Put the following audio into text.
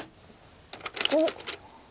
おっ。